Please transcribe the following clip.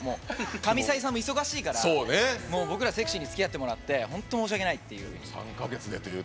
神サイさんも忙しいから僕らセクシーにつきあってもらって本当、申し訳ないって。